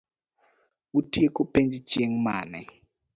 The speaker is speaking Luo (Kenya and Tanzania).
Utieko penj chieng' mane?